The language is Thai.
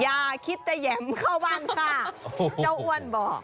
อย่าคิดจะแหยมเข้าบ้านป้าเจ้าอ้วนบอก